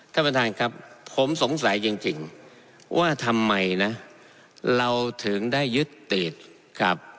ท่านประธานครับผมสงสัยจริงว่าทำไมนะเราถึงได้ยึดติดครับ